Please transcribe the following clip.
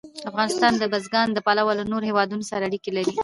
افغانستان د بزګان له پلوه له نورو هېوادونو سره اړیکې لري.